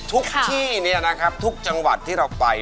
ทุกที่เนี่ยนะครับทุกจังหวัดที่เราไป